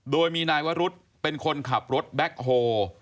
โดยมีนายวรุษเป็นคนขับรถแบ็คโฮ